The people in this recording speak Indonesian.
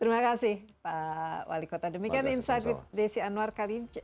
terima kasih pak wali kota demikian insight with desi anwar kali ini